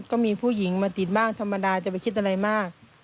ก็มีผู้หญิงมาติดบ้างธรรมดาจะไปคิดอะไรมาก